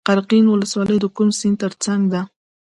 قرقین ولسوالۍ د کوم سیند تر څنګ ده؟